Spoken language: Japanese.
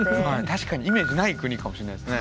確かにイメージない国かもしれないですね。